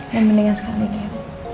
yang mendingan sekali dia